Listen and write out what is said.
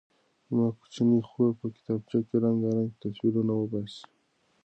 زما کوچنۍ خور په کتابچه کې رنګارنګ تصویرونه وباسي.